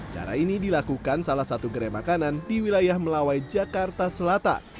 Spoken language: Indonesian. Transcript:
cara ini dilakukan salah satu gerai makanan di wilayah melawai jakarta selatan